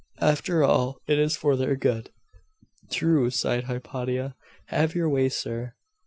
After all, it is for their good.' 'True,' sighed Hypatia. 'Have your way, sir.